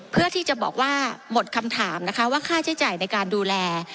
เพื่อที่จะบอกว่าหมดคำถามนะคะว่าค่าใช้จ่ายในการดูแล